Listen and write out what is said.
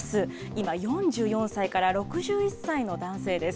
今、４４歳から６１歳の男性です。